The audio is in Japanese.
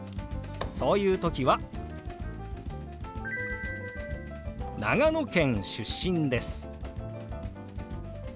そういう時は「長野県出身です」